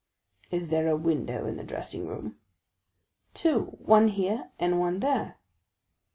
"Is there a window in the dressing room?" "Two,—one here and one there."